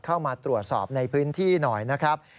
เข้ามาตรวจสอบในพื้นที่หน่อยนะครับ